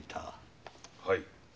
はい。